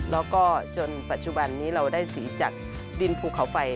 แล้วก็จนปัจจุบันนี้เราได้สีจากดินภูเขาไฟ